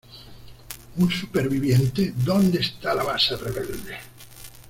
¡ Un superviviente! ¿ dónde está la base rebelde?